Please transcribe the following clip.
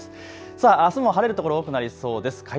あすも晴れる所多くなりそうです。